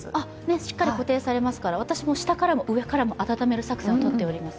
しっかり固定されますから私も下からも上からも暖める作戦をとっております。